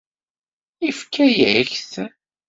Yefka-yak-t?